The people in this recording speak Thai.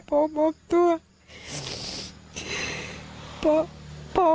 โปรดติดตามต่อไป